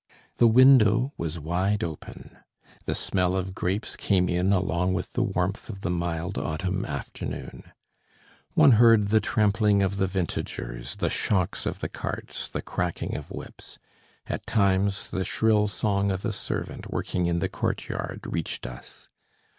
The window was wide open. The smell of grapes came in along with the warmth of the mild autumn afternoon. One heard the trampling of the vintagers, the shocks of the carts, the cracking of whips; at times the shrill song of a servant working in the courtyard reached us.